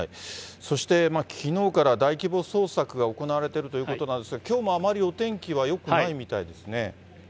そして、きのうから大規模捜索が行われているということなんですが、きょうもあまりお天気はよくないみたいですね。